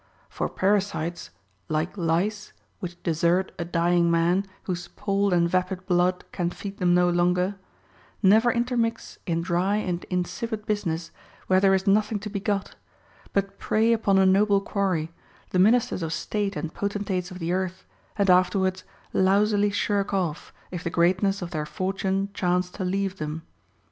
For parasites, — like lice, which desert a dying man, whose palled and vapid blood can feed them no longer, — never intermix in dry and insipid business where there is nothing to be got ; but prey upon a noble quarry, the min isters of state and potentates of the earth, and afterwards lousily shirk off, if the greatness of their fortune chance to leave them.